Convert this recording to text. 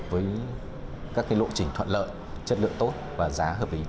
với các lộ trình thuận lợi chất lượng tốt và giá hợp lý